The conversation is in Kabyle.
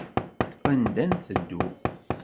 Anda nteddu?